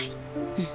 うん。